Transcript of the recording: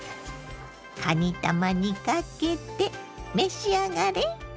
かにたまにかけて召し上がれ。